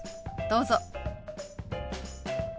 どうぞ。